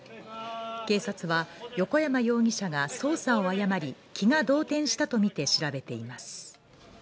警察は横山容疑者が操作を誤り気が動転したとみて調べています